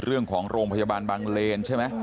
เรื่องของโรงพยาบาลบังเลนใช่ไหม